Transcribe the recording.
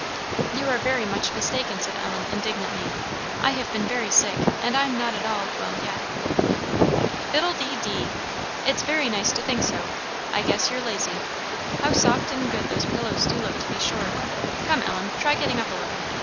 "You are very much mistaken," said Ellen, indignantly; "I have been very sick, and I am not at all well yet." "Fiddle de dee! it's very nice to think so; I guess you're lazy. How soft and good those pillows do look to be sure. Come, Ellen, try getting up a little.